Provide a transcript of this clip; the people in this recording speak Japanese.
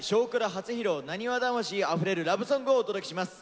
初披露なにわ魂あふれるラブソングをお届けします。